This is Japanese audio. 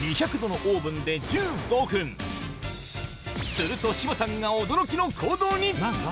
すると志麻さんが驚きの行動に！